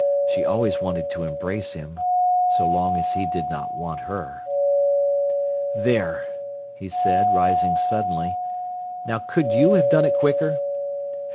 She always wanted to embrace him, so long as he did not want her. "There!" he said, rising suddenly. "Now, could you have done it quicker?"